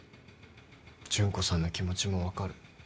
純子さんの気持ちも分かる。